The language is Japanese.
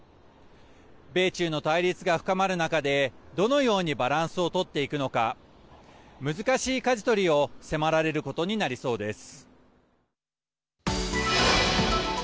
米中の対立が深まる中でどのようにバランスを取っていくのか難しいかじ取りを迫られることになりそうです。